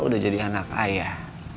udah jadi anak ayah